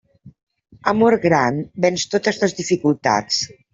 Amor gran venç totes les dificultats.